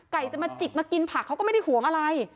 จะมาจิกมากินผักเขาก็ไม่ได้ห่วงอะไร